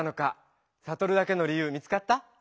サトルだけの理由見つかった？